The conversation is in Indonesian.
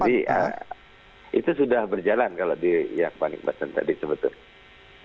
jadi itu sudah berjalan kalau di yang panik batan tadi sebetulnya